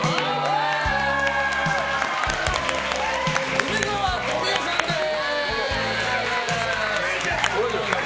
梅沢富美男さんです！